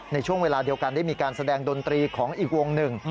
ในช่วงเวลาเดียวกันได้มีการแสดงดนตรีของอีกวงหนึ่ง